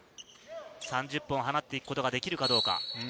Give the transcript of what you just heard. ３０本放っていくことができるかどうか。